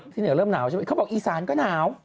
ที่เหนือเริ่มหนาวใช่ไหมเขาบอกอีสานก็หนาว